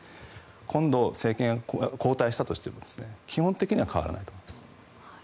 今度、政権が交代したとしても基本的には変わらないと思います。